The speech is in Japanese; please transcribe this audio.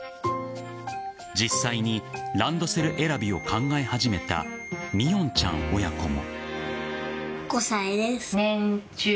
実際にランドセル選びを考え始めたみおんちゃん親子も。